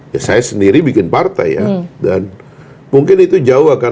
ya saya sendiri bikin partai ya dan mungkin itu jauh akan